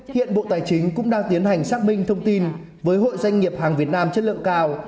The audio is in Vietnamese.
hiện bộ tài chính cũng đang tiến hành xác minh thông tin với hội doanh nghiệp hàng việt nam chất lượng cao